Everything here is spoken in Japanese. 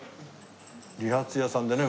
理髪屋さんでね